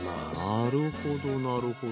なるほどなるほど。